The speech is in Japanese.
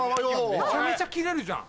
めちゃめちゃキレるじゃん。